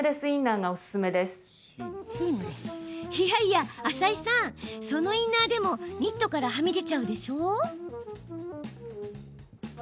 いやいや浅井さんそのインナーでもニットからはみ出ちゃうでしょ。